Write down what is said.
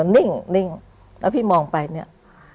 นิ่งแล้วพี่มองไปเนี่ย